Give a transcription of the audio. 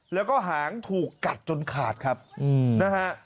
แล้วก็หางถูกกัดจนขาดครับนะฮะ